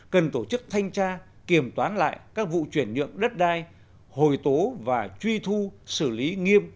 cần tổ chức thanh tra kiểm toán lại các vụ chuyển nhượng đất đai hồi tố và truy thu xử lý nghiêm